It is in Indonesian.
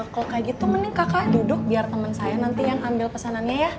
kalau kayak gitu mending kakak duduk biar teman saya nanti yang ambil pesanannya ya